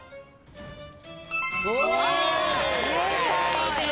正解です。